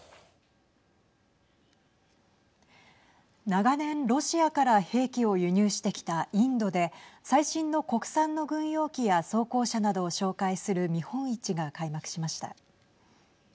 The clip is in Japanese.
長年ロシアから兵器を輸入してきたインドで最新の国産の軍用機や装甲車などを紹介する見本市が開幕しました。